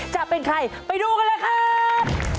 จะเป็นใครไปดูกันเลยครับ